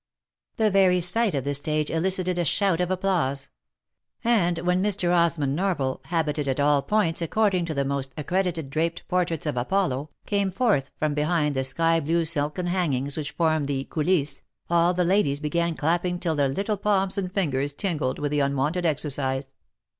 The very sight of the stage elicited a shout of applause ; and when Mr. Osmond Norval, habited at all points according to the most accredited draped portraits of Apollo, came forth from behind the sky blue silken hangings which formed the coulisses, all the ladies began clapping till their little palms and fingers tingled with the unwonted exercise.